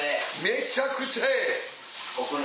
めちゃくちゃええ！